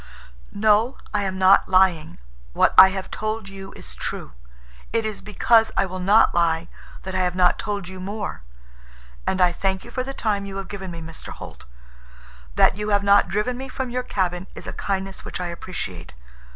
"No, I am not lying. What I have told you is true. It is because I will not lie that I have not told you more. And I thank you for the time you have given me, Mr. Holt. That you have not driven me from your cabin is a kindness which I appreciate.